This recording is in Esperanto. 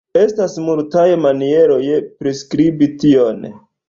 Estas multaj manieroj priskribi tion.